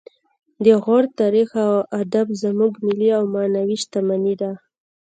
د غور تاریخ او ادب زموږ ملي او معنوي شتمني ده